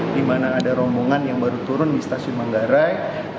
di mana ada rombongan yang baru turun di stasiun manggarai